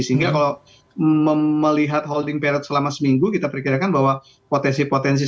sehingga kalau melihat holding period selama seminggu kita perkirakan bahwa potensi potensi